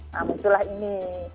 nah munculah ini